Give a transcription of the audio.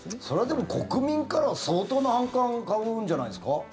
それは、でも国民からは相当の反感を買うんじゃないですか？